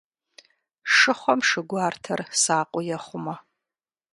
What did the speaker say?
Шыхъуэм шы гуартэр сакъыу ехъумэ.